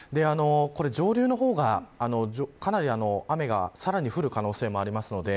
上流の方がかなり雨がさらに増える可能性もあります。